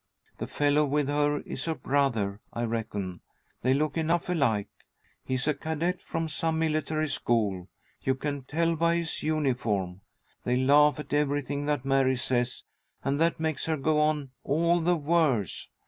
The fellow with her is her brother, I reckon. They look enough alike. He's a cadet from some military school. You can tell by his uniform. They laugh at everything that Mary says, and that makes her go on all the worse.